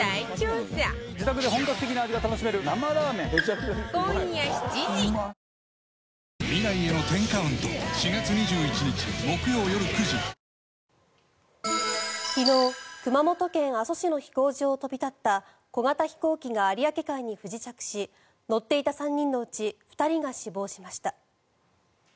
昨日、熊本県阿蘇市の飛行場を飛び立った小型飛行機が有明海に不時着し乗っていた３人のうち２人が死亡しました。